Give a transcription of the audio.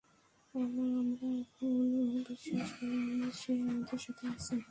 আমরা এখনও বিশ্বাস করি সে আমাদের সাথেই আছে।